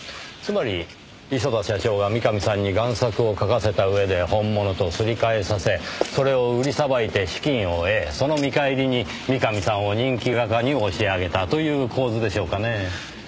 つまり磯田社長が三上さんに贋作を描かせた上で本物とすり替えさせそれを売りさばいて資金を得その見返りに三上さんを人気画家に押し上げたという構図でしょうかねぇ。